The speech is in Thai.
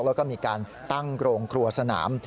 แล้วก็มีการตั้งโรงครัวสนาม